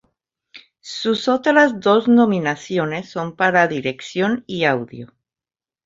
Sus otras dos nominaciones son para dirección y audio.